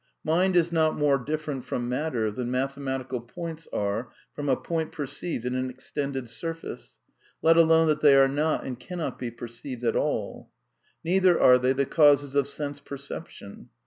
Mind is not more different from " matter " than mathematical points are from a point perceived in an extended surface, let alone that they are not and cannot be perceived at all* Neither are they the causes of sense perception.